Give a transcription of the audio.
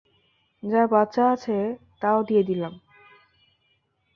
যা বাচা আছে, তাও দিয়ে দিলাম।